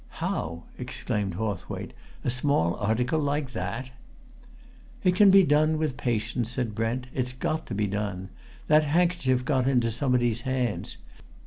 "How?" exclaimed Hawthwaite. "A small article like that!" "It can be done, with patience," said Brent. "It's got to be done. That handkerchief got into somebody's hands.